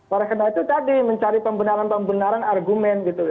orang kena itu tadi mencari pembenaran pembenaran argumen gitu